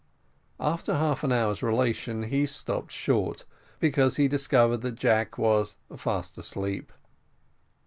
After half an hour's relation he stopped short, because he discovered that Jack was fast asleep.